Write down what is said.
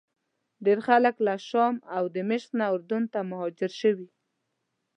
ډېر خلک له شام او دمشق نه اردن ته مهاجر شوي.